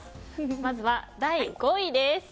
まずは第５位です。